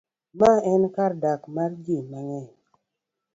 Ma enkardak mar ji mang'eny